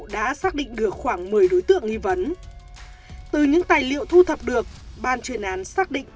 đã xác định được khoảng một mươi đối tượng nghi vấn từ những tài liệu thu thập được ban chuyên án xác định